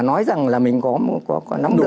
nghĩ rằng là mình có nắm được